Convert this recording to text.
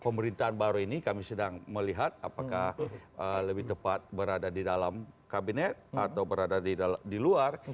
pemerintahan baru ini kami sedang melihat apakah lebih tepat berada di dalam kabinet atau berada di luar